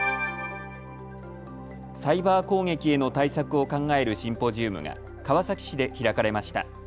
サイバー攻撃への対策を考えるシンポジウムが川崎市で開かれました。